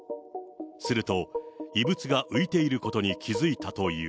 すると、異物が浮いていることに気付いたという。